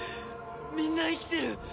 みんな生きてる！